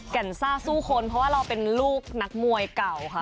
แก่นซ่าสู้คนเพราะว่าเราเป็นลูกนักมวยเก่าค่ะ